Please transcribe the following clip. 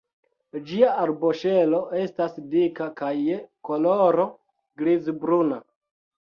Ĝia arboŝelo estas dika kaj je koloro griz-bruna.